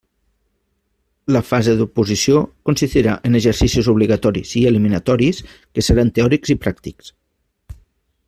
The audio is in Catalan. La fase d'oposició consistirà en exercicis obligatoris i eliminatoris, que seran teòrics i pràctics.